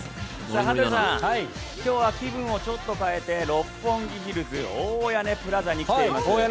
羽鳥さん、今日は気分をちょっと変えて六本木ヒルズ・大屋根プラザに来ています。